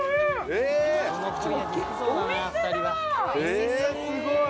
えすごい。